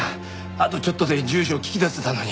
あとちょっとで住所を聞き出せたのに。